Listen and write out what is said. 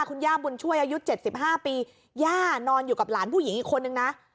คุณย่าบุญช่วยอายุ๗๕ปีย่านอนอยู่กับหลานผู้หญิงอีกคนนึงนะ